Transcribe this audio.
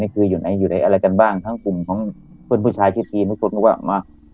นี่คืออยู่ไหนอยู่ไหนอะไรกันบ้างทั้งกลุ่มของเพื่อนผู้ชายชีวิตที่นี่ทุกคนก็ว่า